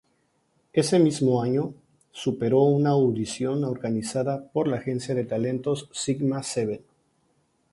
Ese mismo año, superó una audición organizada por la agencia de talentos Sigma Seven.